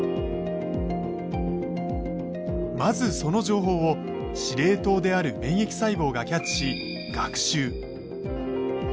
まずその情報を司令塔である免疫細胞がキャッチし学習。